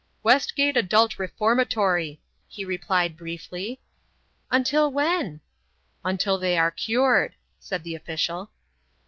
"Westgate Adult Reformatory," he replied, briefly. "Until when?" "Until they are cured," said the official.